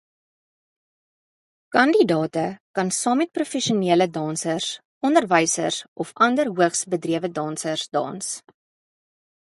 Kandidate kan saam met professionele dansers, onderwysers of ander hoogs bedrewe dansers dans.